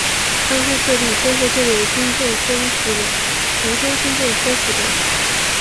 安徽各地先后建立的军政分府有庐州军政分府等。